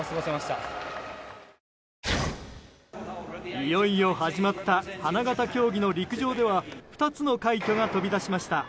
いよいよ始まった花形競技の陸上では２つの快挙が飛び出しました。